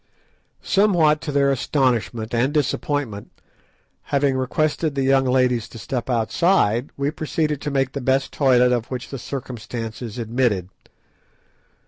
Somewhat to their astonishment and disappointment, having requested the young ladies to step outside, we proceeded to make the best toilet of which the circumstances admitted.